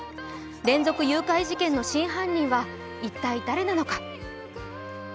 連続誘拐事件の真犯人は一体誰なのか？